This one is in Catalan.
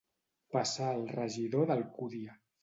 Passar el regidor d'Alcúdia.